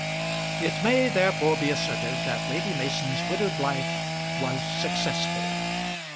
It may therefore be asserted that Lady Mason's widowed life was successful.